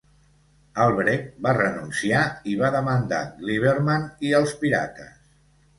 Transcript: Albrecht va renunciar i va demandar Glieberman i els Pirates.